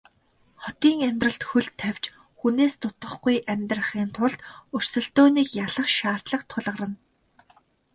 Хотын амьдралд хөл тавьж хүнээс дутахгүй амьдрахын тулд өрсөлдөөнийг ялах шаардлага тулгарна.